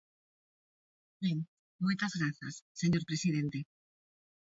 Ben, moitas grazas señor presidente.